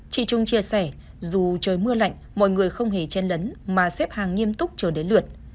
chị trung chia sẻ dù trời mưa lạnh mọi người không hề chen lấn mà xếp hàng nghiêm túc chờ đến lượt